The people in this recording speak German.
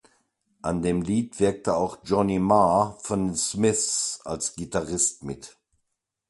An dem Lied wirkte auch Johnny Marr von den Smiths als Gitarrist mit.